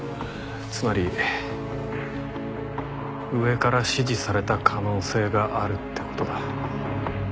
つまり上から指示された可能性があるって事だ。